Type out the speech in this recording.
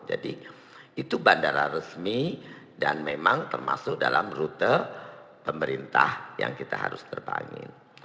itu bandara resmi dan memang termasuk dalam rute pemerintah yang kita harus terbangin